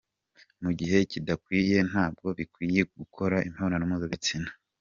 Mu gihe kidakwiye ntabwo bikwiye gukora imibonano mpuzabitsina”.